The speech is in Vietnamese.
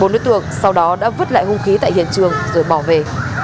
bốn đối tượng sau đó đã vứt lại hung khí tại hiện trường rồi bỏ về